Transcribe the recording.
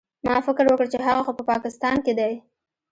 ما فکر وکړ چې هغه خو په پاکستان کښې دى.